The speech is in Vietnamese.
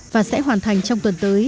và sẽ hoàn thành trong tuần tới